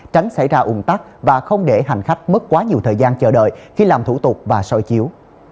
tránh xảy ra ủng tắc và không để hành khách mất quá nhiều thời gian chờ đợi khi làm thủ tục và soi chiếu